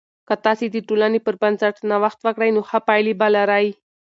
که تاسې د ټولنې پر بنسټ نوښت وکړئ، نو ښه پایلې به لرئ.